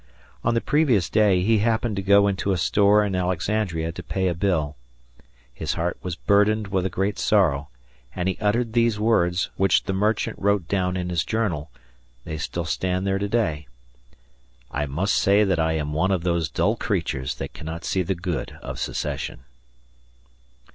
On the previous day, he happened to go into a store in Alexandria to pay a bill. His heart was burdened with a great sorrow, and he uttered these words, which the merchant wrote down in his journal they still stand there to day: "I must say that I am one of those dull creatures that cannot see the good of secession."